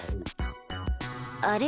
あれ？